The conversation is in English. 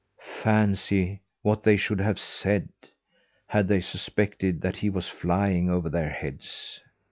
Fancy what they would have said, had they suspected that he was flying over their heads!